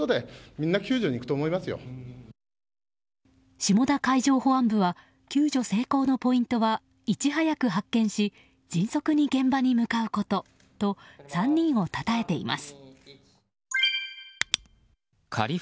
下田海上保安部は救助成功のポイントはいち早く発見し、迅速に現場に向かうことと３人をたたえています。